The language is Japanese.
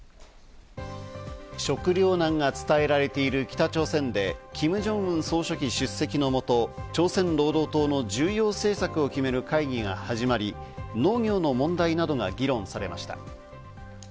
食糧難が伝えられている北朝鮮で、キム・ジョンウン総書記出席のもと、朝鮮労働党の重要政策を決める会議が始まり農業の問題などが議論されました。